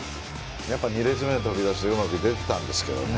２列目の飛び出しがうまく出ていたんですけどね。